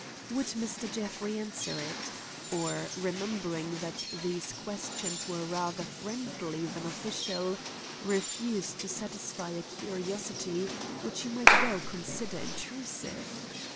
Would Mr. Jeffrey answer it? or, remembering that these questions were rather friendly than official, refuse to satisfy a curiosity which he might well consider intrusive?